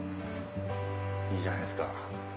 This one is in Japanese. いいじゃないですか。